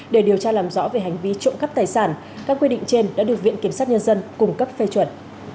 để điều tra làm rõ về hành vi trộm cắp tài sản các quy định trên đã được viện kiểm sát nhân dân cung cấp phê chuẩn